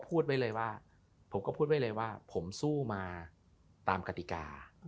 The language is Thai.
เพราะผมก็พูดไว้เลยว่าผมสู้มาตามกติกะ